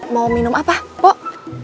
mau minum apa pok